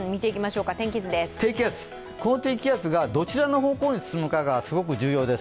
低気圧、この低気圧がどちらの方向に進むかがすごく重要です。